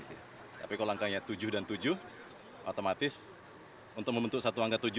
tapi kalau angkanya tujuh dan tujuh otomatis untuk membentuk satu angka tujuh